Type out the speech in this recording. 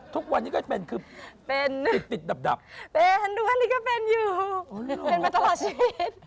ทุกวันนี้ก็เป็นคือติดดับเป็นทุกวันนี้ก็เป็นอยู่เป็นมาตลอดชีวิต